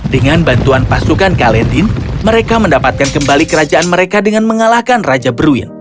dengan bantuan pasukan kaletin mereka mendapatkan kembali kerajaan mereka dengan mengalahkan raja berwin